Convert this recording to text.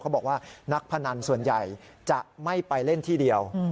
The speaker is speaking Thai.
บอกว่านักพนันส่วนใหญ่จะไม่ไปเล่นที่เดียว